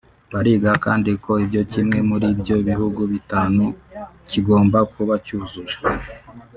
Bariga kandi uko ibyo kimwe muri ibyo bihugu bitanu kigomba kuba cyujuje